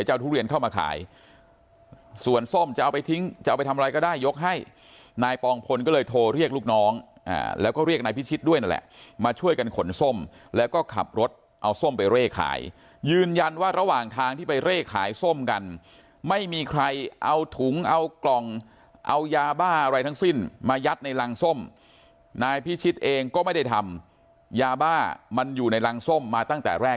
เอาทุเรียนเข้ามาขายส่วนส้มจะเอาไปทิ้งจะเอาไปทำอะไรก็ได้ยกให้นายปองพลก็เลยโทรเรียกลูกน้องแล้วก็เรียกนายพิชิตด้วยนั่นแหละมาช่วยกันขนส้มแล้วก็ขับรถเอาส้มไปเร่ขายยืนยันว่าระหว่างทางที่ไปเร่ขายส้มกันไม่มีใครเอาถุงเอากล่องเอายาบ้าอะไรทั้งสิ้นมายัดในรังส้มนายพิชิตเองก็ไม่ได้ทำยาบ้ามันอยู่ในรังส้มมาตั้งแต่แรก